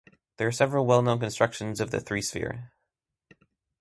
There are several well-known constructions of the three-sphere.